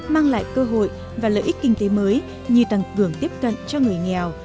mang lại cơ hội và lợi ích kinh tế mới như tăng cường tiếp cận cho người nghèo